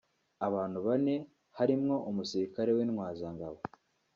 Abantu bane harimwo umusirikare w'intwazangabo